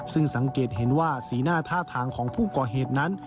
ซึ่งสังเกตเห็นว่าสีหน้าท่าทางของผู้ก่อเหตุนั้น